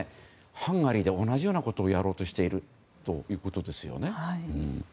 ハンガリーでも同じようなことをやろうとしているということですよね。